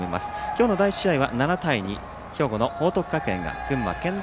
今日の第１試合は７対２兵庫の報徳学園が群馬の健大